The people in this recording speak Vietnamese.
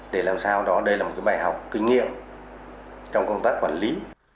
để làm sao đó đây là một bài học kinh nghiệm trong công tác quản lý